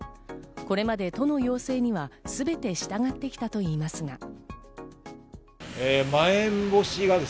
これまで都の要請には、すべて従ってきたといいますが。